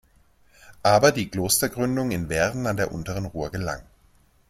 Aber die Klostergründung in Werden an der unteren Ruhr gelang.